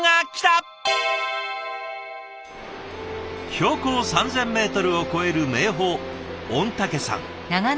標高３，０００ｍを超える名峰御嶽山。